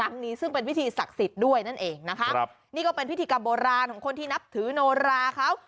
ครั้งนี้ซึ่งเป็นพิธีศักดิ์สิทธิ์ด้วยนั่นเองนะคะครับนี่ก็เป็นพิธีกรรมโบราณของคนที่นับถือโนราเขา